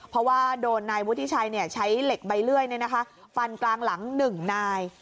เพราะว่าโดนนายวุฒิชัยเนี่ยใช้เหล็กใบเลื่อยเนี่ยนะคะฟันกลางหลังหนึ่งนาย